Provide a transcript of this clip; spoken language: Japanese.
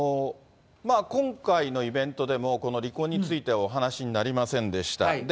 今回のイベントでも離婚についてお話になりませんでした。